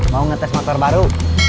mau ngetes motor baru